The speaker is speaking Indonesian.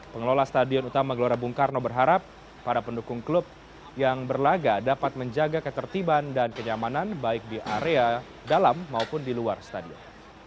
pengelola stadion utama gelora bung karno berharap para pendukung klub yang berlaga dapat menjaga ketertiban dan kenyamanan baik di area dalam maupun di luar stadion